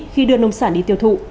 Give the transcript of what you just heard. khi đưa nông sản đi tiêu thụ